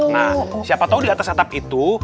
nah siapa tahu di atas atap itu